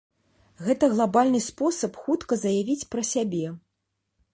Гэта глабальны спосаб хутка заявіць пра сябе.